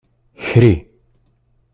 Kri.